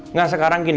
nggak sekarang gini